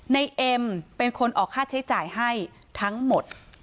เอ็มเป็นคนออกค่าใช้จ่ายให้ทั้งหมด